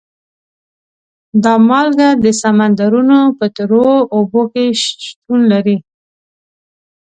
دا مالګه د سمندرونو په تروو اوبو کې شتون لري.